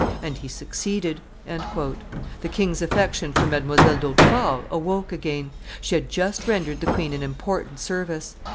And he succeeded." The king's affection for Mdlle. d'Hautefort awoke again. She had just rendered the queen an important service.